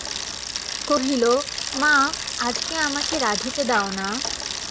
কহিল, মা, আমাকে আজকে রাঁধিতে দাও-না।